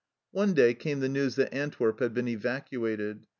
One day came the news that Antwerp had been evacuated.